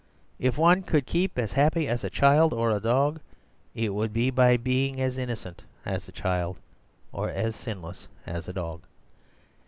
If one could keep as happy as a child or a dog, it would be by being as innocent as a child, or as sinless as a dog.